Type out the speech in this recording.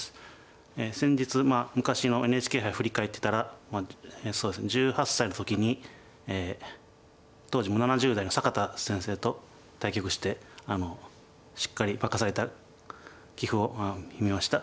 先日昔のＮＨＫ杯を振り返ってたらそうですね１８歳の時に当時７０代の坂田先生と対局してしっかり負かされた棋譜を見ました。